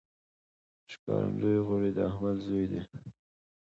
ښکارندوی غوري د احمد زوی دﺉ.